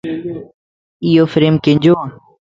ايو فريم ڪينجووَ